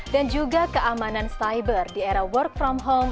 dan juga keamanan cyber di era work from home